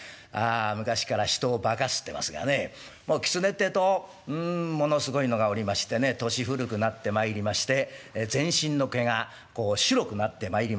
昔から人を化かすってますがねもう狐ってえとんんものすごいのがおりましてね年古くなってまいりまして全身の毛が白くなってまいりますと白狐といいますな。